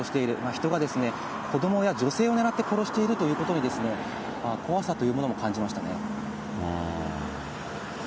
人が子どもや女性を狙って殺しているということにですね、怖さというものも感じましたね。